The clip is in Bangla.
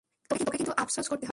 তোকে কিন্তু আফসোস করতে হবে।